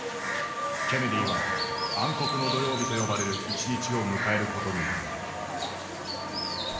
ケネディは「暗黒の土曜日」と呼ばれる一日を迎えることになる。